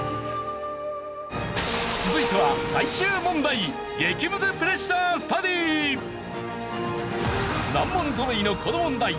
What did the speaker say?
続いては難問ぞろいのこの問題。